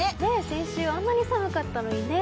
先週あんなに寒かったのにね。